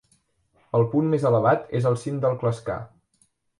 El punt més elevat és el cim del Clascar.